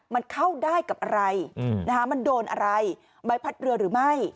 มันเข้าได้กับอะไรมันโดนอะไรใบพัดเรือหรือไม่